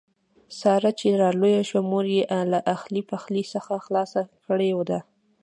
ساره چې را لویه شوه مور یې له اخلي پخلي څخه خلاصه کړې ده.